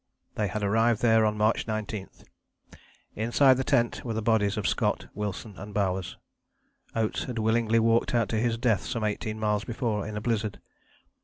They had arrived there on March 19. Inside the tent were the bodies of Scott, Wilson and Bowers. Oates had willingly walked out to his death some eighteen miles before in a blizzard.